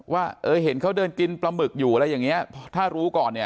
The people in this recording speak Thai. ว่าเออเห็นเขาเดินกินปลาหมึกอยู่อะไรอย่างเงี้ยถ้ารู้ก่อนเนี่ย